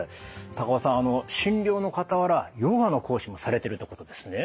高尾さん診療の傍らヨガの講師もされてるってことですね。